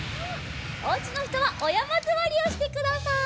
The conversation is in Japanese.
おうちのひとはおやまずわりをしてください。